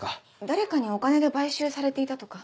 誰かにお金で買収されていたとか？